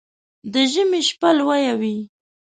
د ژمي شپه لويه وي